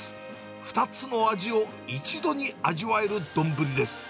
２つの味を一度に味わえる丼です。